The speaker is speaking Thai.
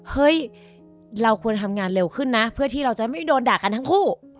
เฮ้ยเราควรทำงานเร็วขึ้นนะเพื่อที่เราจะไม่โดนด่ากันทั้งคู่